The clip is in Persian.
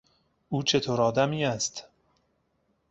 او چه طور آدمی است؟